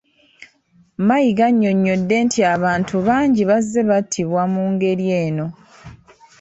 Mayiga annyonnyodde nti abantu bangi bazze battibwa mu ngeri eno.